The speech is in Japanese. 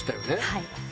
はい。